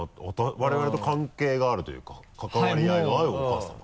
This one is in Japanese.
我々と関係があるというか関わり合いがあるお母さま？